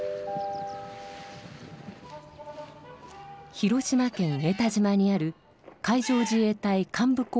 広島県江田島にある海上自衛隊幹部候補生学校。